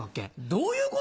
どういうこと？